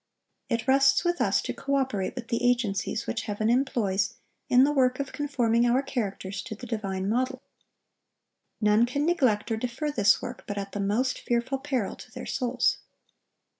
It rests with us to co operate with the agencies which Heaven employs in the work of conforming our characters to the divine model. None can neglect or defer this work but at the most fearful peril to their souls.